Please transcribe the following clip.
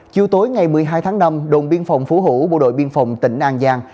chiều tối ngày một mươi hai tháng năm đồn biên phòng phú hữu bộ đội biên phòng tỉnh an giang